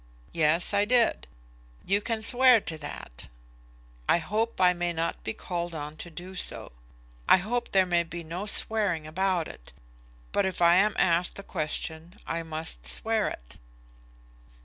"Yes; I did." "You can swear to that?" "I hope I may not be called on to do so. I hope there may be no swearing about it. But if I am asked the question I must swear it."